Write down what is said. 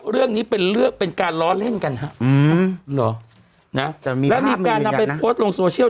เรื่องนี้เป็นการล้อเล่นกันครับแล้วมีการนำไปโพสต์ลงโซเชียล